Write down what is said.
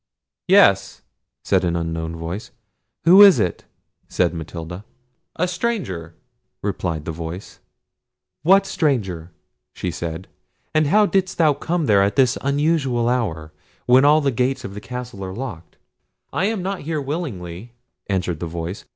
"Yes," said an unknown voice. "Who is it?" said Matilda. "A stranger," replied the voice. "What stranger?" said she; "and how didst thou come there at this unusual hour, when all the gates of the castle are locked?" "I am not here willingly," answered the voice.